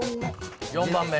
４番目。